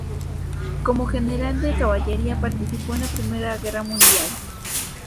Como general de caballería participó en la Primera Guerra Mundial.